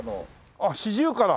あっシジュウカラ。